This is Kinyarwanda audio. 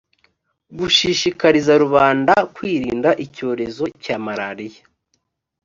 gushishikariza rubanda kwirinda icyorezo cya malaliya